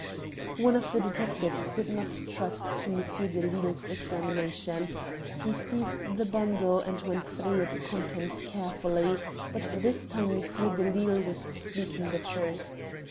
One of the detectives did not trust to Monsieur de Lisle's examination. He seized the bundle and went through its contents carefully, but this time Monsieur de Lisle was speaking the truth.